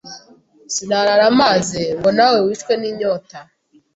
sinarara mpaze ngo na we wicwe ninyota